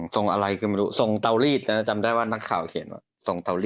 ส่งอะไรคือไม่รู้ส่งเตารีดนะจำได้ว่านักข่าวเขียนว่าส่งเตารีด